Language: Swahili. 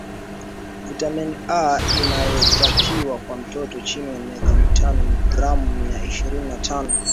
vitamini A inayotakiwa kwa mtoto chini ya miaka tano ni gram mia ishirini na tano